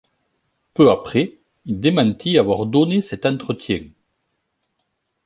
Peu après, il démentit avoir donné cet entretien.